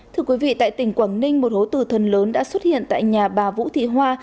thưa quý vị tại tỉnh quảng ninh một hố từ thần lớn đã xuất hiện tại nhà bà vũ thị hoa